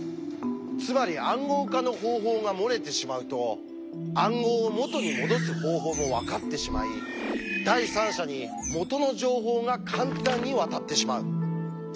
つまり「暗号化の方法」が漏れてしまうと暗号を「元にもどす方法」もわかってしまい第三者に「元の情報」が簡単に渡ってしまう。